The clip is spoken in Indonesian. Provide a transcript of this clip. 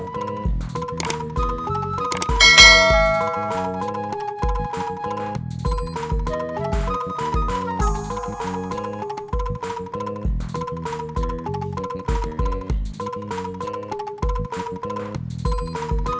siapa yang baru sama nelfon